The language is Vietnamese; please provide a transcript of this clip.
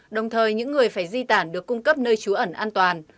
đồng thời những người phải di tản được cung cấp nơi trú ẩn an toàn